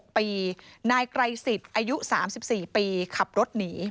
ปีนายไกรสิทธิ์อายุ๓๔ปีขับรถหนี